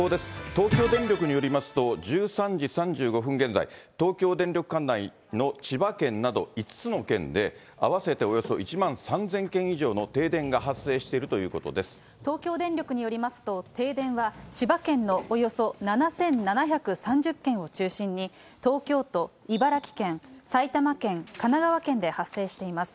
東京電力によりますと、１３時３５分現在、東京電力管内の千葉県など５つの県で、合わせておよそ１万３０００軒以上の停電が発生しているというこ東京電力によりますと、停電は千葉県のおよそ７７３０軒を中心に、東京都、茨城県、埼玉県、神奈川県で発生しています。